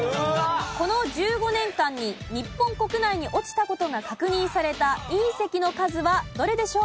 この１５年間に日本国内に落ちた事が確認された隕石の数はどれでしょう？